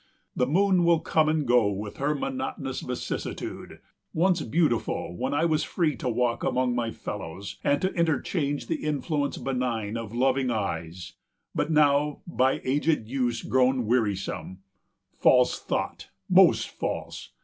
The moon will come and go 320 With her monotonous vicissitude; Once beautiful, when I was free to walk Among my fellows, and to interchange The influence benign of loving eyes, But now by aged use grown wearisome; 325 False thought! most false!